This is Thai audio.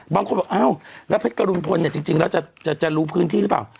บางคนบอกอ้าวแล้วเพชรกรุณพลเนี่ยจริงแล้วจะรู้พื้นที่หรือเปล่า